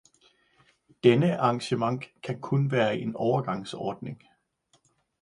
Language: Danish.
Denne agreement kan kun være en overgangsordning.